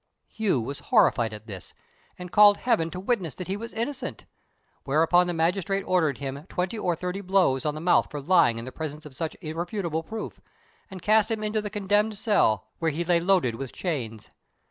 Hu was horrified at this, and called Heaven to witness that he was innocent; whereupon the magistrate ordered him twenty or thirty blows on the mouth for lying in the presence of such irrefragable proof, and cast him into the condemned cell, where he lay loaded with chains.